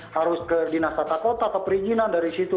harus ke dinasata kota atau perizinan dari situ